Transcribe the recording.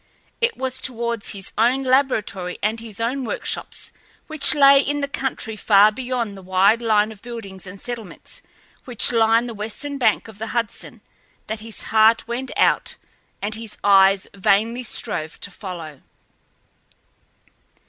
It was towards his own laboratory and his own workshops, which lay out in the country far beyond the wide line of buildings and settlements which line the western bank of the Hudson, that his heart went out and his eyes vainly strove to follow.